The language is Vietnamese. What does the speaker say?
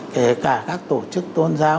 kể cả các tổ chức tôn giáo